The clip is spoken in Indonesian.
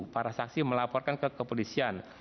para saksi melaporkan ke kepolisian